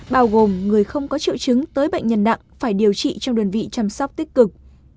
bao gồm người không có triệu chứng tới bệnh nhân nặng phải điều trị trong đơn vị chăm sóc tích cực